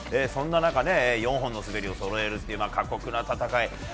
そんな中、４本の滑りをそろえるという過酷な戦い。